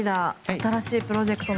新しいプロジェクト